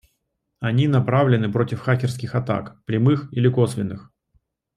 Они направлены против хакерских атак: прямых или косвенных